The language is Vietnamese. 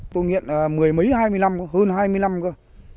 tôi nghiện mười mấy hai mươi năm hơn hai mươi năm cơ